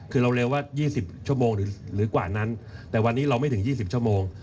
คือเราเร็วว่า๒๐ชั่วโมงหรือกว่านั้นแต่วันนี้เราไม่ถึง๒๐ชั่วโมง